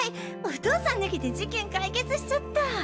お父さん抜きで事件解決しちゃった。